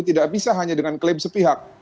tidak bisa hanya dengan klaim sepihak